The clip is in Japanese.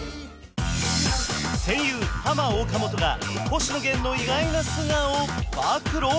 戦友ハマ・オカモトが星野源の意外な素顔を暴露！？